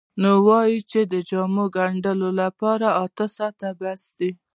نو وایي چې د جامو ګنډلو لپاره اته ساعته بس دي.